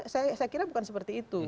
saya kira bukan seperti itu